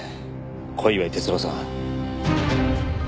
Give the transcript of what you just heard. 小祝哲郎さん。